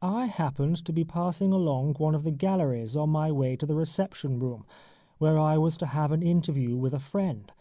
I happened to be passing along one of the galleries on my way to the reception room, where I was to have an interview with a friend.